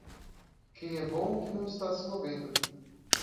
Quem é bom que não está se movendo.